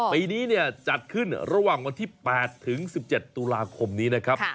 ปีนี้จัดขึ้นระหว่างวันที่๘ถึง๑๗ตุลาคมนี้นะครับ